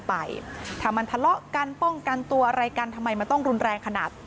ไปถ้ามันทะเลาะกันป้องกันตัวอะไรกันทำไมมันต้องรุนแรงขนาด